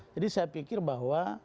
jadi saya pikir bahwa